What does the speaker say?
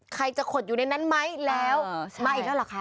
ใครจะขดอยู่ในนั้นไหมแล้วมาอีกแล้วเหรอคะ